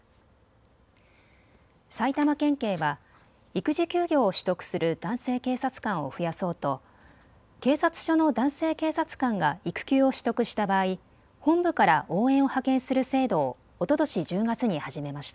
埼玉県警は育児休業を取得する男性警察官を増やそうと警察署の男性警察官が育休を取得した場合、本部から応援を派遣する制度をおととし１０月に始めました。